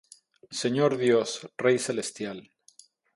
Señor Dios, Rey celestial,